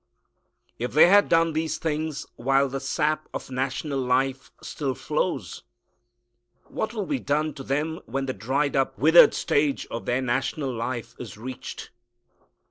If they have done these things while the sap of national life still flows, what will be done to them when the dried up, withered stage of their national life is reached!"